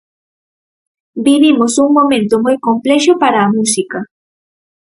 Vivimos un momento moi complexo para a música.